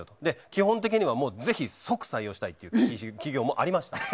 基本的には即採用したいという企業もありました。